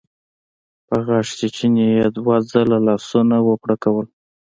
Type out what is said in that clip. په غاښچيچي يې دوه ځله لاسونه وپړکول.